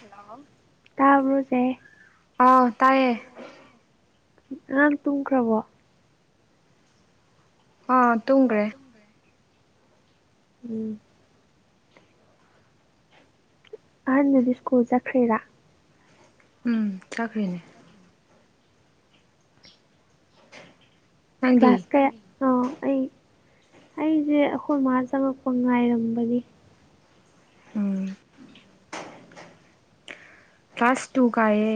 Hello ꯇꯥꯕ꯭ꯔꯣ ꯆꯦ ꯍꯥꯎ ꯇꯥꯏꯌꯦ ꯑꯉꯥꯡ ꯇꯨꯝꯈ꯭ꯔꯕꯣ ꯑꯥ ꯑ ꯇꯨꯝꯈ꯭ꯔꯦ ꯇꯨꯝꯒ꯭ꯔꯦ ꯎꯝ ꯑꯍꯟꯗꯨꯗꯤ ꯁ꯭ꯀꯨꯜ ꯆꯠꯈ꯭ꯔꯤꯔꯥ ꯎꯝ ꯆꯠꯈ꯭ꯔꯤꯅꯦ ꯅꯪꯗꯤ ꯀ꯭ꯂꯥꯁ ꯀꯌꯥ ꯑꯣ ꯑꯩ ꯑꯩꯁꯦ ꯑꯈꯣꯏ ꯃꯥꯥ ꯆꯪꯉꯛꯄ ꯉꯥꯏꯔꯝꯕꯅꯤ ꯎꯝ ꯀ꯭ꯂꯥꯁ ꯇꯨ ꯀꯑꯦ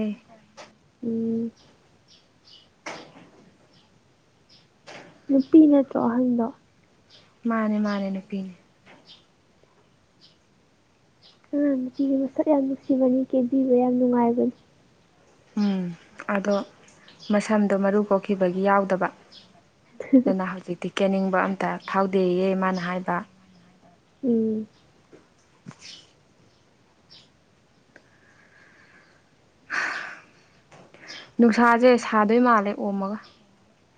ꯎꯝ ꯅꯨꯄꯤ ꯅꯠꯇ꯭ꯔꯣ ꯑꯍꯟꯗꯣ ꯃꯥꯅꯦ ꯃꯥꯅꯦ ꯅꯨꯄꯤꯅꯦ ꯑꯉꯥꯡ ꯅꯨꯄꯤꯒꯤ ꯃꯁꯛ ꯌꯥꯝ ꯅꯨꯡꯁꯤꯕꯅꯤ ꯀꯦꯟꯕꯤꯕ ꯌꯥꯝ ꯅꯨꯡꯉꯥꯏꯕꯅꯤ ꯎꯝ ꯑꯗꯣ ꯃꯁꯝꯗꯣ ꯃꯔꯨ ꯀꯣꯛꯈꯤꯕꯒꯤ ꯌꯥꯎꯗꯕ ꯑꯗꯨꯅ ꯍꯧꯖꯤꯛꯇꯤ ꯀꯦꯅꯤꯡꯕ ꯑꯝꯇ ꯐꯥꯎꯗꯦꯌꯦ ꯃꯥꯅ ꯍꯥꯏꯕ ꯎꯝ ꯅꯨꯡꯁꯥꯁꯦ ꯁꯥꯗꯣꯏ ꯃꯥꯜꯂꯦ ꯑꯣꯝꯃꯒ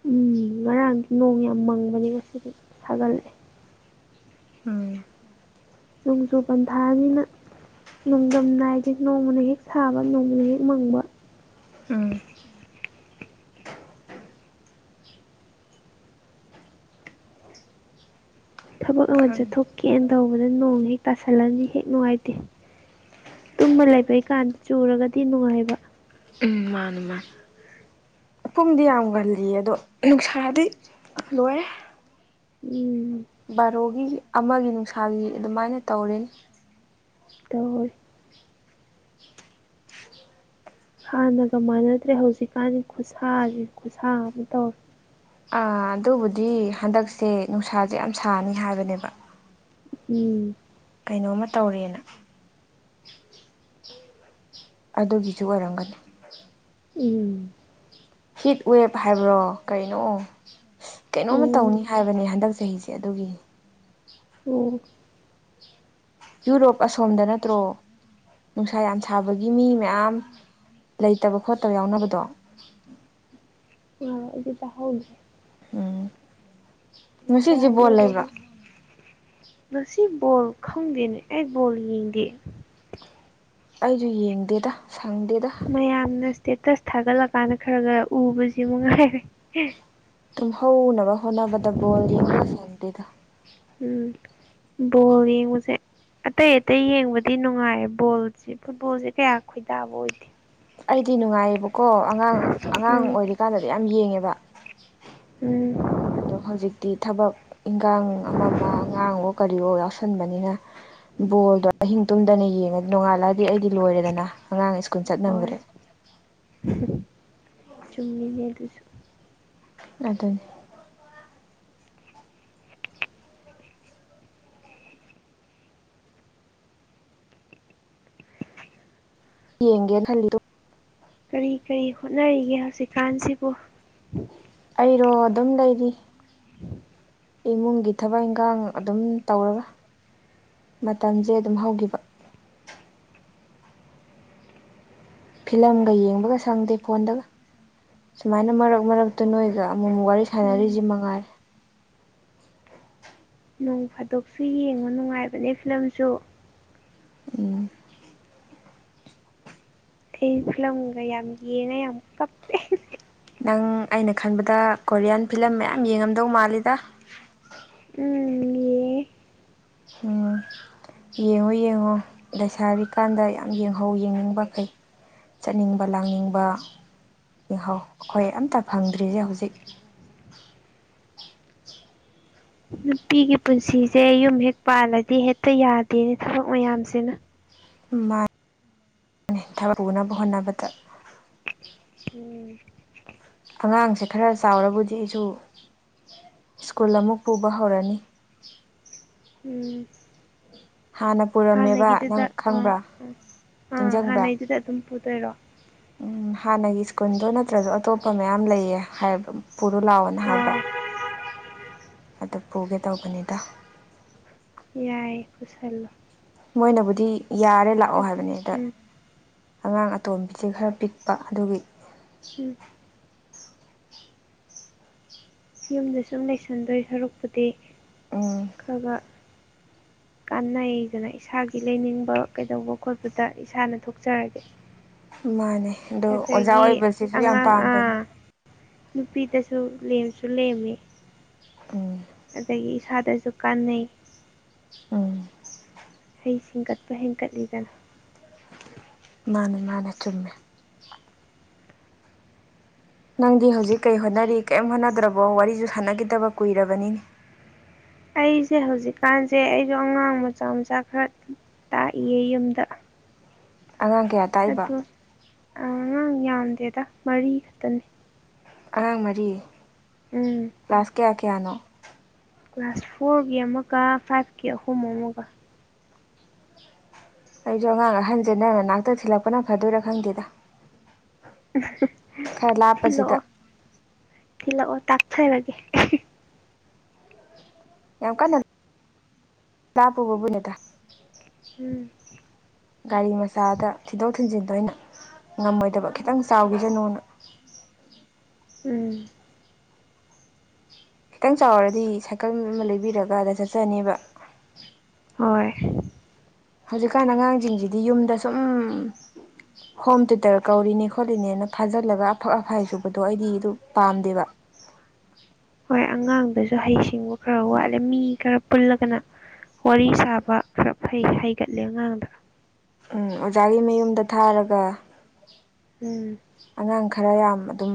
ꯎꯝ ꯉꯔꯥꯡꯁꯨ ꯅꯣꯡ ꯌꯥꯝ ꯃꯪꯕꯅꯤꯀꯣ ꯁꯤꯁꯨ ꯁꯥꯒꯠꯂꯛꯑꯦ ꯎꯝ ꯅꯣꯡꯖꯨ ꯄꯟꯊꯥꯅꯤꯅ꯫ ꯅꯣꯡꯗꯝ ꯏꯁꯦ ꯅꯣꯡꯃꯅ ꯍꯦꯛ ꯁꯥꯕ ꯅꯣꯡꯃꯅ ꯍꯦꯛ ꯃꯪꯕ꯫ ꯎꯝ ꯊꯕꯛ ꯑꯃ ꯈꯪꯉꯦ ꯆꯠꯊꯣꯛꯀꯦꯅ ꯇꯧꯕꯗ ꯅꯣꯡ ꯍꯦꯛ ꯇꯥꯁꯜꯂꯅꯤ ꯍꯦꯛ ꯅꯨꯡꯉꯥꯏꯇꯦ꯫ ꯇꯨꯝꯃ ꯂꯩꯕꯩꯀꯥꯟꯗ ꯆꯨꯔꯒꯗꯤ ꯅꯨꯡꯉꯥꯏꯕ ꯃꯅꯤ ꯃꯅꯤ꯫ ꯑꯄꯨꯝꯗꯤ ꯌꯥꯝ ꯉꯜꯂꯤ ꯑꯗꯣ ꯅꯨꯡꯁꯥꯗꯤ ꯂꯣꯏꯔꯦ꯫ ꯎꯝ ꯕꯥꯔꯣꯒꯤ ꯑꯃꯒꯤ ꯅꯨꯡꯁꯥꯒꯤ ꯑꯗꯨꯃꯥꯏꯅ ꯇꯧꯔꯤ꯫ ꯇ [inaudible] ꯍꯥꯟꯅꯒ ꯃꯥꯟꯅꯗ꯭ꯔꯦ ꯍꯧꯖꯤꯛꯀꯥꯟꯗꯤ ꯈꯨꯠꯁꯥꯁꯦ ꯈꯨꯠꯁꯥ ꯑꯃ ꯇꯧꯔꯦ꯫ ꯑ ꯑꯗꯨꯕꯨꯗꯤ ꯍꯟꯗꯛꯁꯦ ꯅꯨꯡꯁꯥꯁꯦ ꯌꯥꯝ ꯁꯥꯅꯤ ꯍꯥꯏꯕꯅꯦꯕ꯫ ꯎꯝ ꯀꯩꯅꯣꯝꯃ ꯇꯧꯔꯦꯅ꯫ ꯑꯗꯨꯒꯤꯁꯨ ꯑꯣꯏꯔꯝꯒꯅꯤ꯫ ꯎꯝ ꯍꯤꯠ ꯋꯦꯞ ꯍꯥꯏꯕ꯭ꯔꯣ ꯀꯩꯅꯣ ꯀꯩꯅꯣꯝꯃ ꯎꯝ ꯇꯧꯅꯤ ꯍꯥꯏꯕꯅꯦ ꯍꯟꯗꯛ ꯆꯍꯤꯁꯦ꯫ ꯑꯗꯨꯒꯤ꯫ ꯎꯝ ꯌꯨꯔꯣꯞ ꯑꯁꯣꯝꯗ ꯅꯠꯇ꯭ꯔꯣ꯫ ꯅꯨꯡꯁꯥ ꯌꯥꯝ ꯁꯥꯕꯒꯤ ꯃꯤ ꯃꯌꯥꯝ ꯂꯩꯇꯕ ꯈꯣꯠꯇꯕ ꯌꯥꯎꯅꯕꯗꯣ꯫ ꯎꯝ ꯑꯩꯁꯨ ꯇꯥꯍꯧꯏ꯫ ꯎꯝ ꯉꯁꯤꯁꯦ ꯑꯗꯥꯏ ꯕꯣꯜ ꯂꯩꯕ꯭ꯔꯣ ꯂꯩꯔꯨꯒꯦ꯫ ꯉꯥꯁꯤ ꯕꯣꯜ ꯈꯪꯗꯦꯅꯦ ꯑꯩ ꯕꯣꯜ ꯌꯦꯡꯗꯦ꯫ ꯑꯩꯁꯨ ꯌꯦꯡꯗꯦꯗ ꯁꯪꯗꯦꯗ꯫ ꯃꯌꯥꯝꯅ ꯏꯁꯇꯦꯇꯁ ꯊꯥꯒꯠꯂꯀꯥꯟꯗ ꯈꯔ ꯈꯔ ꯎꯕꯁꯤ ꯅꯨꯡꯉꯥꯏꯔꯦ꯫ ꯇꯨꯝꯍꯧꯅꯕ ꯍꯣꯠꯅꯕꯗ ꯕꯣꯜ ꯌꯦꯡꯕ ꯂ ꯁꯣꯟꯗꯦꯗ꯫ ꯎꯝ ꯕꯣꯜ ꯌꯦꯡꯕꯁꯦ꯫ ꯑꯇꯩ ꯑꯇꯩ ꯌꯦꯡꯕꯗꯤ ꯅꯨꯡꯉꯥꯏ ꯕꯣꯜꯁꯤ ꯐꯨꯠꯕꯣꯜꯁꯦ ꯀꯌꯥ ꯈꯣꯏꯗꯥꯕ ꯑꯣꯏꯗꯦ꯫ ꯑꯩꯗꯤ ꯅꯨꯡꯉꯥꯏꯌꯦꯕꯀꯣ ꯑꯉꯥꯡ ꯑꯉꯥꯡ ꯑꯣꯏꯔꯤꯀꯥꯟꯗꯗꯤ ꯌꯥꯝ ꯌꯦꯡꯉꯦꯕ꯫ ꯎꯝ ꯑꯗꯣ ꯍꯧꯖꯤꯛꯇꯤ ꯊꯕꯛ ꯏꯟꯒꯥꯡ ꯑꯃ ꯑꯃ ꯉꯥꯡꯋꯣ ꯀꯔꯤꯋꯣ ꯌꯥꯎꯁꯟꯕꯅꯤꯅ ꯕꯣꯜꯗꯣ ꯑꯍꯤꯡ ꯇꯨꯝꯗꯅ ꯌꯦꯡꯉ ꯅꯣꯡꯉꯥꯜꯂꯛꯑꯗꯤ ꯑꯩꯗꯤ ꯂꯣꯏꯔꯦꯗꯅ ꯑꯉꯥꯡ ꯁ꯭ꯀꯨꯜ ꯆꯠ ꯍꯣꯏ ꯅꯗꯔꯦ꯫ ꯆꯨꯝꯃꯤꯅꯦ ꯑꯗꯨꯁꯨ ꯑꯗꯨꯅꯦ꯫ ꯌꯦꯡꯒꯦꯅꯥ ꯈꯜꯂꯤ ꯑꯗꯨ ꯀꯔꯤ ꯀꯔꯤ ꯍꯣꯠꯅꯔꯤꯒꯦ ꯍꯧꯖꯤꯛꯀꯥꯟꯁꯤꯕꯨ꯫ ꯑꯩꯔꯣ ꯑꯗꯨꯝ ꯂꯩꯔꯤ꯫ ꯏꯃꯨꯡꯒꯤ ꯊꯕꯛ ꯏꯪꯈꯥꯡ ꯑꯗꯨꯝ ꯇꯧꯔꯒ ꯃꯇꯝꯁꯦ ꯑꯗꯨꯝ ꯍꯧꯈꯤꯕ꯫ ꯐꯤꯂꯝꯒ ꯌꯦꯡꯕꯒ ꯁꯪꯗꯦ ꯐꯣꯟꯗꯒ ꯁꯨꯃꯥꯏꯅ ꯃꯔꯛ ꯃꯔꯛ ꯇꯨ ꯅꯣꯏꯒ ꯑꯃꯨꯛ ꯋꯥꯔꯤ ꯎꯝ ꯁꯥꯟꯅꯔꯤꯁꯤ ꯃꯉꯥꯏꯔꯦ꯫ ꯅꯣꯡ ꯐꯥꯗꯣꯛꯁꯨ ꯌꯦꯡꯉꯣ ꯅꯨꯡꯉꯥꯏꯕꯅꯦ ꯐꯤꯂꯝꯁꯨ꯫ ꯎꯝ ꯑꯩ ꯐꯤꯂꯝꯒ ꯌꯥꯝ ꯌꯦꯡꯉ ꯌꯥꯝ ꯀꯞꯄꯦ꯫ ꯅꯪ ꯑꯩꯅ ꯈꯟꯕꯗ ꯀꯣꯔꯤꯌꯥꯟ ꯐꯤꯂꯝ ꯃꯌꯥꯝ ꯌꯦꯡꯉꯝꯗꯧ ꯃꯥꯜꯂꯤꯗꯥ꯫ ꯎꯝ ꯌꯦꯉ‌ꯦ꯫ ꯎꯝ ꯌꯦꯡꯉꯣ ꯌꯦꯡꯉꯣ ꯂꯩꯁꯥꯔꯤꯀꯥꯟꯗ ꯌꯥꯝ ꯌꯦꯡꯍꯧ ꯌꯦꯡꯅꯤꯡꯕꯈꯩ꯫ ꯆꯠꯅꯤꯡꯕ ꯂꯥꯡꯅꯤꯡꯕ ꯌꯦꯍꯥꯎ ꯑꯩꯈꯣꯏ ꯑꯝꯇ ꯐꯪꯗ꯭ꯔꯤꯁꯦ ꯍꯧꯖꯤꯛ ꯅꯨꯄꯤꯒꯤ ꯄꯨꯟꯁꯤꯁꯦ ꯌꯨꯝ ꯍꯦꯛ ꯄꯥꯜꯂꯗꯤ ꯍꯦꯛꯇ ꯌꯥꯗꯦꯅꯦ ꯊꯕꯛ ꯃꯌꯥꯝꯁꯤꯅ ꯃꯥ ꯅꯤ ꯊꯕꯛ ꯄꯨꯅꯕ ꯍꯣꯠꯅꯕꯗ ꯎꯝ ꯑꯉꯥꯡꯁꯦ ꯈꯔ ꯆꯥꯎꯔꯕꯨꯗꯤ ꯑꯩꯁꯨ ꯁ꯭ꯀꯨꯜ ꯑꯃꯨꯛ ꯄꯨꯕ ꯍꯧꯔꯅꯤ ꯎꯝ ꯍꯥꯟꯅ ꯄꯨꯔꯝꯃꯦꯕ ꯍꯥꯟꯅꯒꯤꯗꯨꯗ ꯅꯪ ꯑꯥ ꯈꯪꯕ꯭ꯔꯥ ꯑꯥ ꯑꯥ ꯅꯤꯡꯁꯤꯡꯕ꯭ꯔꯥ ꯍꯥꯟꯅꯒꯤꯗꯨꯗ ꯑꯗꯨꯝ ꯄꯨꯗꯣꯏꯔꯣ ꯎꯝ ꯍꯥꯟꯅꯒꯤ ꯁ꯭ꯀꯨꯜꯗꯣ ꯅꯠꯇ꯭ꯔꯁꯨ ꯑꯇꯣꯞꯄ ꯃꯌꯥꯝ ꯂꯩꯌꯦ ꯍꯥꯏ ꯄꯨꯔꯣ ꯂꯥꯛꯑꯣꯅ ꯍꯥꯏꯕ ꯑꯥ ꯑꯗꯨ ꯄꯨꯒꯦ ꯇꯧꯕꯅꯤꯗ ꯌꯥꯏꯌꯦ ꯄꯨꯁꯜꯂꯣ ꯃꯣꯏꯅꯕꯨꯗꯤ ꯌꯥꯔꯦ ꯂꯥꯛꯑꯣ ꯍꯥꯏꯕꯅꯤ ꯑꯗ ꯎꯝ ꯑꯉꯥꯡ ꯑꯇꯣꯝꯕꯤꯁꯦ ꯈꯔ ꯄꯤꯛꯄ ꯑꯗꯨꯒꯤ ꯎꯝ ꯌꯨꯝꯗ ꯁꯨꯝ ꯂꯩꯁꯟꯗꯣꯏ ꯁꯔꯛꯄꯨꯗꯤ ꯎꯝ ꯈꯕ ꯀꯥꯟꯅꯩꯗꯅ ꯏꯁꯥꯒꯤ ꯂꯩꯅꯤꯡꯕ ꯀꯩꯗꯧꯕ ꯈꯣꯠꯄꯗ ꯏꯁꯥꯅ ꯊꯣꯛꯆꯔꯒꯦ ꯃꯥꯅꯦ ꯑꯗꯣ ꯑꯣꯖꯥ ꯑꯗꯒꯤ ꯑꯣꯏꯕꯁꯤꯁꯨ ꯌꯥꯝ ꯑꯉꯥꯡ ꯑ ꯄꯥꯝꯕꯅꯤ ꯅꯨꯄꯤꯗꯁꯨ ꯂ‌ꯦꯝꯁꯨ ꯂꯦꯝꯃꯤ ꯎꯝ ꯑꯗꯒꯤ ꯏꯁꯥꯗꯁꯨ ꯀꯥꯟꯅꯩ ꯎꯝ ꯍꯩ ꯁꯤꯡꯒꯠꯄ ꯍꯦꯟꯀꯠꯂꯤꯗꯅ ꯃꯥꯅꯦ ꯃꯥꯅꯦ ꯆꯨꯝꯃꯦ ꯅꯪꯗꯤ ꯍꯧꯖꯤꯛ ꯀꯩ ꯍꯣꯠꯅꯔꯤ ꯀꯔꯤꯝ ꯍꯣꯠꯅꯗ꯭ꯔꯕꯣ ꯋꯥꯔꯤꯁꯨ ꯁꯥꯟꯅꯒꯤꯗꯕ ꯀꯨꯏꯔꯕꯅꯤꯅꯦ ꯑꯩꯁꯦ ꯍꯧꯖꯤꯛꯀꯥꯟꯁꯦ ꯑꯩꯁꯨ ꯑꯉꯥꯡ ꯃꯆꯥ ꯃꯆꯥ ꯈꯔ ꯇꯥꯛꯏꯌꯦ ꯌꯨꯝꯗ ꯑꯉꯥꯡ ꯀꯌꯥ ꯇꯥꯛꯏꯕ ꯑꯗꯨ ꯑꯉꯥꯡ ꯌꯥꯝꯗꯦꯗ ꯃꯔꯤ ꯈꯛꯇꯅꯤ ꯑꯉꯥꯡ ꯃꯔꯤ ꯎꯝ ꯀ꯭ꯂꯥꯁ ꯀꯌꯥ ꯀꯌꯥꯅꯣ ꯀ꯭ꯂꯥꯁ ꯐꯣꯔꯒꯤ ꯑꯃꯒ ꯐꯥꯏꯚꯀꯤ ꯑꯍꯨꯝ ꯑꯃꯒ ꯑꯩꯁꯨ ꯑꯉꯥꯡ ꯑꯍꯟꯁꯦꯅ ꯅꯪ ꯅꯅꯥꯛꯇ ꯊꯤꯜꯂꯛꯄꯅ ꯐꯗ‌ꯣꯏꯔꯥ ꯈꯪꯗꯦꯗ ꯈꯔ ꯊꯤꯂꯛ ꯂꯥꯞꯄꯁꯤꯗ ꯑꯣ ꯊꯤꯂꯛ ꯑꯣ ꯇꯥꯛ ꯊꯔꯒꯦ ꯌꯥꯝ ꯀꯥꯟꯅ ꯂꯥꯄꯒꯕꯨꯅꯦꯗ ꯎꯝ ꯒꯥꯔꯤ ꯃꯆꯥꯗ ꯊꯤꯟꯗꯣꯛ ꯊꯤꯟꯖꯤꯟꯗ‌ꯣ ꯑꯩꯅ ꯉꯝꯃꯣꯏꯗꯕ ꯈꯤꯇꯪ ꯆꯥꯎꯈꯤꯁꯅꯨꯅ ꯎꯝ ꯈꯤꯇꯪ ꯆꯥꯎꯔꯗꯤ ꯁꯥꯏꯀꯜ ꯑꯃ ꯂꯩꯕꯤꯔꯒꯗ ꯆꯠꯆꯅꯦꯕ ꯍꯣꯏ ꯍꯧꯖꯤꯛꯀꯥꯟ ꯑꯉꯥꯡꯁꯤꯡꯁꯤꯗꯤ ꯌꯨꯝꯗ ꯁꯨꯝ ꯍꯣꯝ ꯇ꯭ꯌꯨꯇꯔ ꯀꯧꯔꯤꯅꯤ ꯈꯣꯠꯂꯤꯅꯦꯅ ꯐꯥꯖꯤꯜꯂꯒ ꯑꯐꯛ ꯑꯐꯥꯏ ꯁꯨꯕꯗꯣ ꯑꯩꯗꯤ ꯑꯗꯨ ꯄꯥꯝꯗꯦꯕ ꯍꯣꯏ ꯑꯉꯥꯡꯗꯁꯨ ꯍꯩꯁꯤꯡꯕ ꯈꯔ ꯎꯝ ꯋꯥꯠꯂꯦ ꯃꯤ ꯈꯔ ꯄꯨꯜꯂꯒꯅ ꯋꯥꯔꯤ ꯁꯥꯕ ꯈꯔ ꯍꯩꯒꯠꯂꯦ ꯑꯉꯥꯡꯗ ꯎꯝ ꯑꯣꯖꯥꯒꯤ ꯃꯌꯨꯝꯗ ꯊꯥꯔꯒ ꯎꯝ ꯑꯉꯥꯡ ꯈꯔ ꯌꯥꯝ ꯑꯗꯨꯝ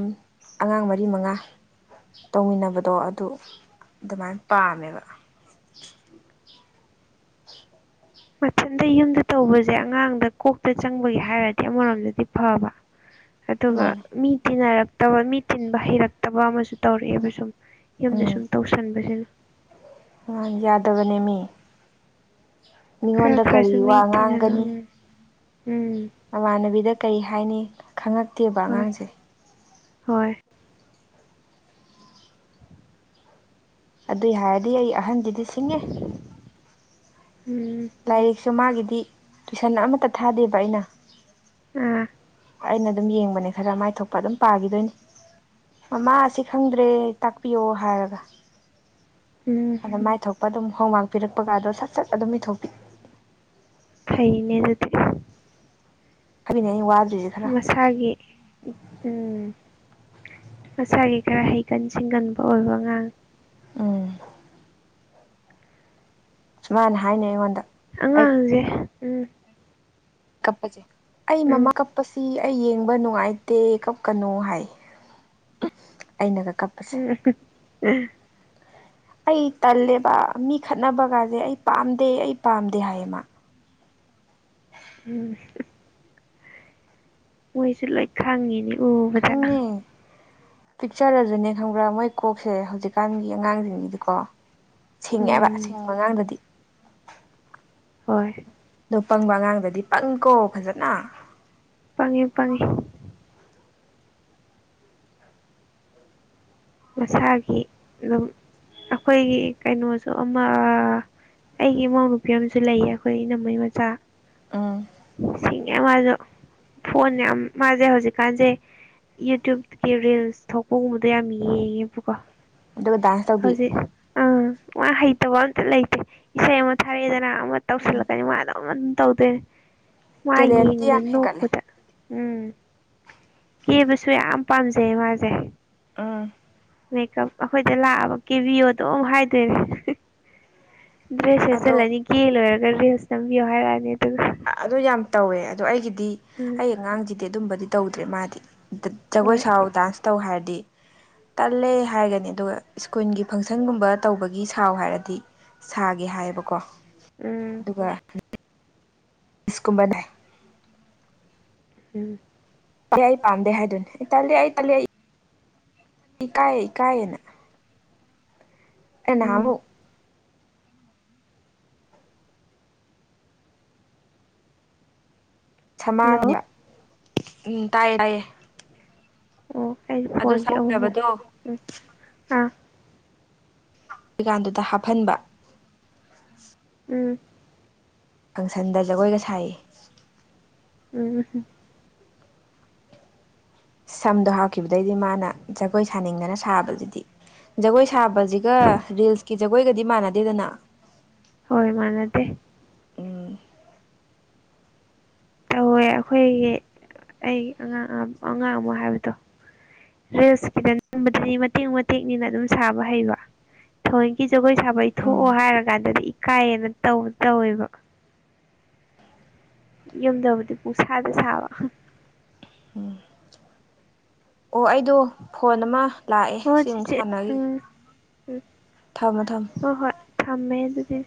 ꯑꯉꯥꯡ ꯃꯔꯤ ꯃꯉꯥ ꯇꯧꯃꯤꯟꯅꯕꯗꯣ ꯑꯗꯨ ꯑꯗꯨꯃꯥꯏꯅ ꯄꯥꯝꯃꯦꯕ ꯃꯊꯟꯇ ꯌꯨꯝꯗ ꯇꯧꯕꯁꯦ ꯑꯉꯥꯡꯗ ꯀꯣꯛꯇ ꯆꯪꯕꯒꯤ ꯍꯥꯏꯔꯗꯤ ꯑꯃꯔꯣꯝꯗꯗꯤ ꯐꯕ ꯑꯗꯨꯒ ꯃꯥꯅꯦ ꯃꯤ ꯇꯤꯟꯅꯔꯛꯇꯕ ꯃꯤ ꯇꯤꯟꯕ ꯍꯩꯔꯛꯇꯕ ꯑꯃꯁꯨ ꯇꯧꯔꯛꯑꯦꯕ ꯁꯨꯝ ꯌꯨꯝꯗ ꯁꯨꯝ ꯎꯝ ꯇꯧꯁꯟꯕꯁꯤꯅꯦ ꯌꯥꯗꯕꯅꯦ ꯃꯤ ꯈꯔ ꯃꯤꯉꯣꯟꯗ ꯈꯔꯁꯨ ꯀꯔꯤ ꯃꯤ ꯋꯥ ꯇꯤꯜꯍꯟꯅ ꯉꯥꯡꯒꯅꯤ ꯎꯝ ꯎꯝ ꯃꯃꯥꯟꯅꯕꯤꯗ ꯀꯔꯤ ꯍꯥꯏꯅꯤ ꯈꯪꯉꯛꯇꯦꯕ ꯍꯣꯏ ꯑꯉꯥꯡꯁꯦ ꯍꯣꯏ ꯑꯗꯨꯏ ꯍꯥꯏꯔꯗꯤ ꯑꯩ ꯑꯍꯟꯁꯤꯗꯤ ꯁꯤꯡꯉꯤ ꯎꯝ ꯂꯥꯏꯔꯤꯛꯁꯨ ꯃꯥꯒꯤꯗꯤ ꯇꯨꯏꯁꯟ ꯑꯃꯠꯇ ꯊꯥꯗꯦꯕ ꯑꯩꯅ ꯑꯥ ꯑꯩꯅ ꯑꯗꯨꯝ ꯌꯦꯡꯕꯅꯦ ꯈꯔ ꯃꯥꯏꯊꯣꯛꯄ ꯑꯗꯨꯝ ꯄꯥꯈꯤꯗꯣꯏꯅꯤ ꯃꯃꯥ ꯑꯁꯤ ꯈꯪꯗ꯭ꯔꯦ ꯇꯥꯛꯄꯤꯌꯣ ꯍꯥꯏꯔꯒ ꯎꯝ ꯑꯗ ꯃꯥꯏꯊꯣꯛꯄ ꯑꯗꯨꯝ ꯍꯣꯝꯃꯥꯛ ꯄꯤꯔꯛꯄꯒꯗꯣ ꯁꯠ ꯁꯠ ꯑꯗꯨꯝ ꯏꯊꯣꯛꯄꯤ ꯍꯩꯅꯦ ꯑꯗꯨꯗꯤ ꯀꯕꯤꯅꯦ ꯑꯩ ꯋꯥꯗ꯭ꯔꯤꯁꯦ ꯈꯔ ꯃꯁꯥꯒꯤ ꯎꯝ ꯃꯁꯥꯒꯤ ꯈꯔ ꯍꯩꯒꯟ ꯁꯤꯡꯒꯟꯕ ꯑꯣꯏꯕ ꯑꯉꯥꯡ ꯎꯝ ꯁꯨꯃꯥꯏꯅ ꯍꯥꯏꯅꯩ ꯑꯩꯉꯣꯟꯗ ꯑꯩ ꯑꯉꯥꯡꯁꯦ ꯎꯝ ꯀꯄꯁꯦ ꯑꯩ ꯃꯃꯥ ꯎꯝ ꯀꯞ ꯀꯞꯄꯁꯤ ꯑꯩ ꯌꯦꯡꯕ ꯅꯨꯡꯉꯥꯏꯇꯦ ꯀꯞꯀꯅꯣ ꯍꯥꯏ ꯑꯩꯅꯒ ꯀꯞꯄ [unintelligible] ꯑꯩ ꯇꯜꯂꯦꯕ ꯃꯤ ꯈꯠꯅꯕ ꯀꯥꯁꯦ ꯑꯩ ꯄꯥꯝꯗꯦ ꯑꯩ ꯄꯥꯝꯗꯦ ꯍꯥꯏꯌꯦꯃ [unintelligible] ꯃꯣꯏꯁꯨ ꯂꯣꯏ ꯈꯪꯉꯤꯅꯦ ꯈꯉꯤ ꯄꯤꯛꯆꯔꯁꯨꯅꯦ ꯈꯪꯕ꯭ꯔꯥ ꯃꯣꯏ ꯀꯣꯛꯁꯦ ꯍꯧꯖꯤꯛꯀꯥꯟꯒꯤ ꯑꯉꯥꯡꯁꯤꯡꯒꯤꯗꯤꯀꯣ ꯁꯤꯡꯉꯦꯕ ꯎꯝ ꯁꯤꯡꯕ ꯑꯉꯥꯡꯗꯗꯤ ꯍꯣꯏ ꯑꯗꯣ ꯄꯪꯕ ꯑꯉꯥꯡꯗꯗꯤ ꯄꯪꯏꯀꯣ ꯐꯖꯅ ꯄꯪꯉꯤ ꯄꯪꯉꯤ ꯃꯁꯥꯒꯤ ꯑꯗꯨꯝ ꯑꯩꯈꯣꯏꯒꯤ ꯀꯩꯅꯣꯁꯨ ꯑꯃ ꯑꯩꯒꯤ ꯏꯃꯧ ꯅꯨꯄꯤ ꯑꯃꯁꯨ ꯂꯩꯌꯦ ꯑꯩꯈꯣꯏ ꯏꯅꯝꯃꯩ ꯎꯝ ꯃꯆꯥꯁꯤꯡ [unintelligible] ꯐꯣꯟꯅꯦ ꯌꯥꯝ ꯃꯥꯁꯦ ꯍꯧꯖꯤꯛꯀꯥꯟꯁꯦ ꯌꯨꯇ꯭ꯌꯨꯕꯒꯤ ꯔꯤꯜꯁ ꯊꯣꯛꯄꯒꯨꯝꯕꯗꯣ ꯌꯥꯝꯃꯤ ꯌꯦ ꯄꯨꯀꯣ ꯑꯗꯨꯗꯥ ꯍꯧꯖꯤꯛ ꯑꯥ ꯃꯥ ꯍꯩꯇꯕ ꯑꯝꯇ ꯂꯩꯇꯦ ꯏꯁꯩ ꯑꯃ ꯊꯥꯔꯛꯑꯦꯗꯅ ꯑꯃ ꯎꯝ ꯇꯧꯁꯤꯜꯂꯛꯀꯅꯤ ꯃꯥ ꯑꯗꯨ ꯑꯗꯨꯝ ꯇꯧꯗꯣꯏ ꯃꯥ ꯇꯦꯂꯦꯟꯇꯤ ꯌꯦꯡꯕꯗ ꯌꯥꯝ ꯍꯦꯟꯒꯠꯂꯦ ꯅꯣꯛꯄꯗ ꯎꯝ ꯀꯦꯕꯁꯨ ꯌꯥꯝ ꯄꯥꯝꯖꯩ ꯃꯥꯁꯦ ꯑꯥ ꯃꯦꯀꯞ ꯑꯩꯈꯣꯏꯗ ꯂꯥꯛꯑꯕ ꯀꯦꯚꯤꯌꯣꯗꯨꯝ ꯍꯥꯏꯗꯣꯏꯅꯦ ꯗ꯭ꯔꯦꯁ ꯑꯗꯣ ꯁꯦꯆꯜꯂꯅꯤ ꯀꯦ ꯂꯣꯏꯔꯒ ꯔꯤꯜꯁ ꯅꯝꯕꯤꯌꯣ ꯍꯥꯏꯔꯛꯑꯅꯤ ꯑꯗꯨꯒ ꯑꯗꯨ ꯌꯥꯝ ꯇꯧꯋꯦ ꯑꯗꯣ ꯑꯩꯒꯤꯗꯤ ꯎꯝ ꯑꯩ ꯑꯉꯥꯡꯁꯤꯗꯤ ꯑꯗꯨꯝꯕꯗꯤ ꯇꯧꯗ꯭ꯔꯦ ꯃꯥꯗꯤ ꯖꯒꯣꯏ ꯍꯣꯏ ꯁꯥꯎ ꯗꯥꯟꯁ ꯇꯧ ꯍꯥꯏꯔꯗꯤ ꯇꯜꯂꯦ ꯍꯥꯏꯒꯅꯤ ꯑꯗꯨꯒ ꯁ꯭ꯀꯨꯟꯒꯤ ꯐꯪꯁꯟꯒꯨꯝꯕ ꯇꯧꯕꯒꯤ ꯁꯥꯎ ꯍꯥꯏꯔꯗꯤ ꯁꯥꯒꯦ ꯍꯥꯏꯌꯦꯕꯀꯣ ꯎꯝ ꯑꯗꯨꯒ ꯏꯁꯀꯨꯝꯕꯅꯦꯏ ꯎꯝ ꯇꯜꯂꯦ ꯑꯩ ꯄꯥꯝꯗꯦ ꯍꯥꯏꯗꯨꯅꯦ ꯇꯜꯂꯦ ꯑꯩ ꯇꯜꯂꯦ ꯑꯩ ꯏ ꯀꯥꯏ ꯀꯥꯏꯑꯅ ꯎꯝ ꯑꯩꯅꯥꯍꯥꯃꯨꯛ ꯍꯜꯂꯣ ꯁꯃꯥꯅꯤꯌ ꯎꯝ ꯇꯥꯏ ꯇꯥꯏꯌꯦ ꯑꯣ ꯑꯩ ꯑꯗꯨ ꯐꯣꯟꯁꯦ ꯑꯃꯨꯃꯨꯛ ꯁꯃꯨꯛꯅꯕꯗꯣ ꯎꯝ ꯑꯥ ꯀꯤꯀꯥꯟꯗꯨꯗ ꯍꯥꯞꯍꯟꯕ ꯎꯝ ꯐꯪꯁꯟꯗ ꯖꯒꯣꯏꯒ ꯁꯥꯏꯌꯦ ꯎꯝ ꯁꯝꯗꯣ ꯍꯥꯞꯈꯤꯕꯗꯩꯗꯤ ꯃꯥꯅ ꯖꯒꯣꯏ ꯁꯥꯅꯤꯡꯗꯅ ꯁꯥꯕꯗꯨꯗꯤ ꯖꯒꯣꯏ ꯁꯥꯕꯁꯤꯒ ꯔꯤꯜꯁꯀꯤ ꯖꯒꯣꯏꯒꯗꯤ ꯃꯥꯟꯅꯗꯦꯗꯅ ꯍꯣꯏ ꯃꯥꯅꯗꯦ ꯎꯝ ꯇꯧꯋꯦ ꯑꯩꯈꯣꯏꯒꯤ ꯑꯩ ꯑꯉꯥꯡ ꯑꯉꯥꯡ ꯑꯃ ꯍꯥꯏꯕꯗꯣ ꯔꯤꯜꯁꯀꯤꯗ ꯅꯝꯕꯗꯗꯤ ꯃꯇꯦꯛ ꯃꯇꯦꯛꯅꯤꯅ ꯑꯗꯨꯝ ꯁꯥꯕ ꯍꯩꯕ ꯊꯣꯏꯒꯤ ꯖꯒꯣꯏ ꯁꯥꯕꯩ ꯏꯊꯣꯛꯑꯣ ꯎꯝ ꯍꯥꯏꯔ ꯀꯥꯟꯗꯗꯤ ꯏꯀꯥꯏꯌꯦꯅ ꯇꯧꯕ ꯇꯧꯋꯦꯕ ꯌꯨꯝꯗꯕꯨꯗꯤ ꯄꯨꯁꯥꯗ ꯁꯥꯕ ꯎꯝ ꯑꯣ ꯑꯩꯗꯣ ꯐꯣꯟ ꯑꯃ ꯂꯥꯛꯑꯦ ꯍꯣꯏ ꯁꯤꯃꯨꯛ ꯆꯤꯆꯦ ꯁꯥꯟꯅꯈꯤ ꯎꯝ ꯎꯝ ꯊꯝꯃꯣ ꯊꯝꯃꯣ ꯍꯣꯏ ꯍꯣꯏ ꯊꯝꯃꯦ ꯑꯗꯨꯗꯤ